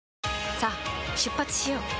さあ出発しよう。